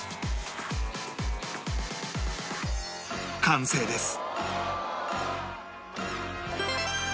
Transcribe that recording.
完成です